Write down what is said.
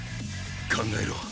考えろ。